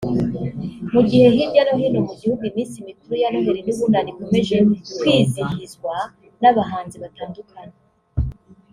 Mu gihe hirya no hino mu gihugu iminsi mikuru ya Noheli n’Ubunani ikomeje kwizihizwa n’abahanzi batandukanye